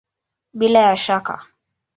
Bila ya shaka!